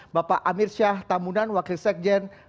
bapak amir syah tamunan wakil sekjen